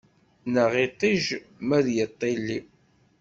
Neɣ iṭij ma d-yiṭṭili.